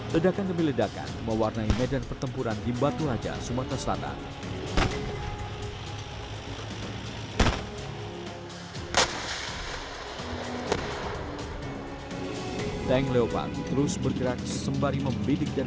ledakan kemeledakan mewarnai medan pertempuran gimbatu raja sumatera selatan